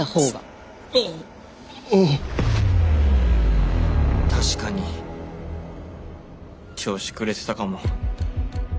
心の声確かに調子くれてたかも。